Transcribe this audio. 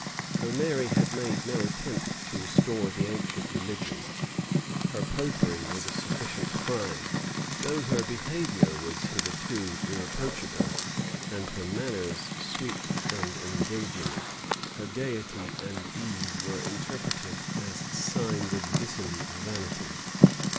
Though Mary had made no attempt to restore the ancient religion, her Popery was a sufficient crime: though her behavior was hitherto irreproachable, and her manners sweet and engaging, her gayety and ease were interpreted as signs of dissolute vanity.